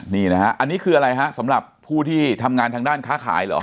นี่นะฮะอันนี้คืออะไรฮะสำหรับผู้ที่ทำงานทางด้านค้าขายเหรอ